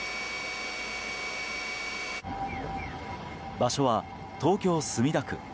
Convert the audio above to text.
場所は東京・墨田区。